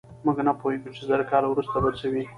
موږ نه پوهېږو چې زر کاله وروسته به څه وي.